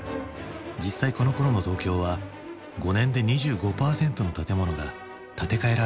実際このころの東京は５年で２５％の建物が建て替えられていたという。